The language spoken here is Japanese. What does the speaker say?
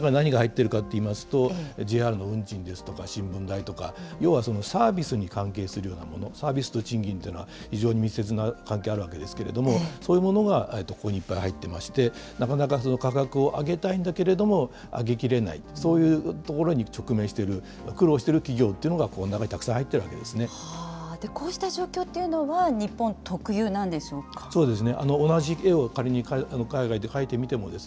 例えばこの中に何が入っているかといいますと、ＪＲの運賃ですとか新聞代とか、要はサービスに関係するようなもの、サービスと賃金というのは非常に密接な関係あるわけですけれども、そういうものがここにいっぱい入っていまして、なかなか価格を上げたいんだけれども上げきれない、そういうところに直面している、苦労している企業というのが、この中にたこうした状況というのは、日そうですね。